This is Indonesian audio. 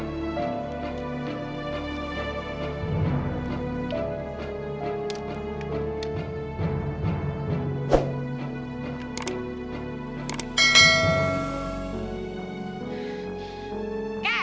chulka inorg pidengarut